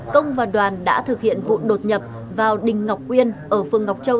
công và đoàn đã thực hiện vụ đột nhập vào đình ngọc uyên ở phương ngọc châu